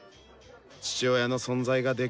父親の存在がで